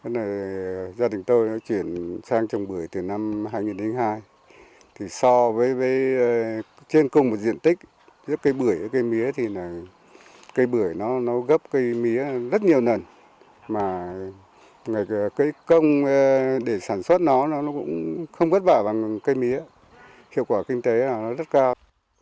năm hai nghìn hai gia đình tôi chuyển sang trồng bưởi từ năm hai nghìn hai so với trên cùng một diện tích giữa cây bưởi và cây mía thì cây bưởi nó gấp cây mía rất nhiều lần mà công để sản xuất nó cũng không vất vả bằng cây mía hiệu quả kinh tế nó rất cao